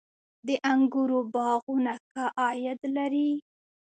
د انګورو باغونه ښه عاید لري؟